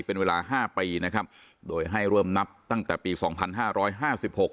เป็นเวลาห้าปีนะครับโดยให้เริ่มนับตั้งแต่ปีสองพันห้าร้อยห้าสิบหก